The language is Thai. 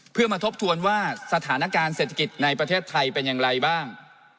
เพื่อมาทบทวนว่าสถานการณ์เศรษฐกิจในประเทศไทยเป็นอย่างไรบ้าง